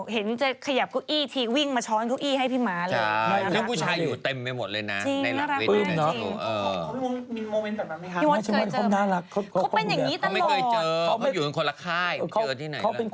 เห็นจะขยับเก้าอี้ทีวิ่งมาช้อนเก้าอี้ให้พี่ม้าเลย